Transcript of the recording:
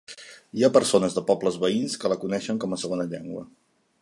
Hi ha persones de pobles veïns que la coneixen com a segona llengua.